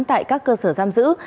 tại các cơ sở giam giữ